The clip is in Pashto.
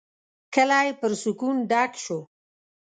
کلی پر سکون ډک شو.